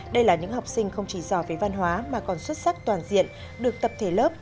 đây là những học sinh không chỉ dò về văn hóa mà còn xuất sắc toàn diện được tập thể lớp